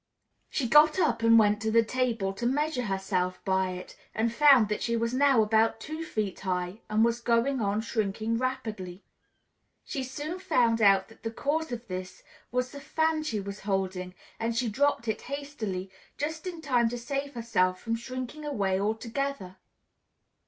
She got up and went to the table to measure herself by it and found that she was now about two feet high and was going on shrinking rapidly. She soon found out that the cause of this was the fan she was holding and she dropped it hastily, just in time to save herself from shrinking away altogether.